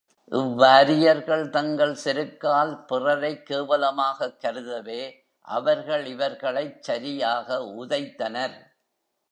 இவ்வாரியர்கள் தங்கள் செருக்கால் பிறரைக் கேவலமாகக் கருதவே அவர்கள் இவர்களைச் சரியாக உதைத்தனர்.